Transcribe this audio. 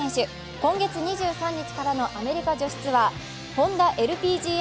今月２３日からのアメリカ女子ツアーホンダＬＰＧＡ